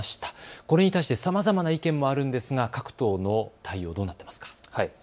これに対してさまざまな意見もあるんですが各党の対応はどうなっていますか。